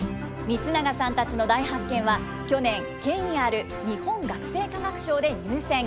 満永さんたちの大発見は去年、権威ある日本学生科学賞で入選。